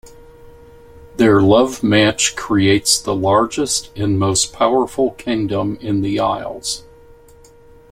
Their love match creates the largest and most powerful kingdom in the isles.